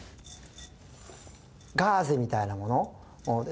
ガーゼみたいなものですね。